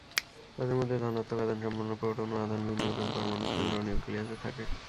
তাদের মধ্যে ধনাত্মক আধান সম্পন্ন প্রোটন ও আধান বিহীন নিউট্রন পরমাণুর কেন্দ্র নিউক্লিয়াসে থাকে।